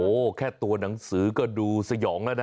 โอ้โหแค่ตัวหนังสือก็ดูสยองแล้วนะ